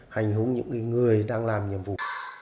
hành hùng những người đang làm nhiệm vụ